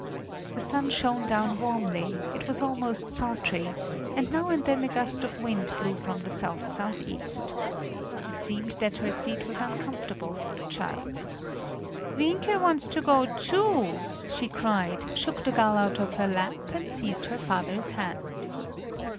The sun shone down warmly; it was almost sultry, and now and then a gust of wind blew from the south southeast. It seemed that her seat was uncomfortable for the child. "Wienke wants to go too!" she cried, shook the gull out of her lap and seized her father's hand.